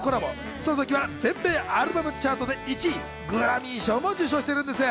その時は全米アルバムチャートで１位、グラミー賞も受賞しているんです。